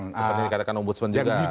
diperdikadakan ombudsman juga